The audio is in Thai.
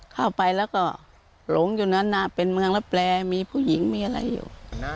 เข้าไปแล้วก็หลงอยู่นั้นเป็นเมืองรับแรมีผู้หญิงมีอะไรอยู่